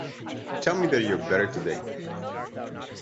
Tell me that you are better today.